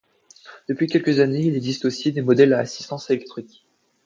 Depuis quelques années, il existe aussi des modèles à assistance électrique.